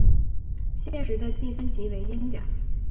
现时的第三级为英甲。